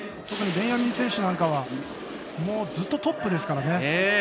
特にベンヤミン選手なんかはずっと、トップですから。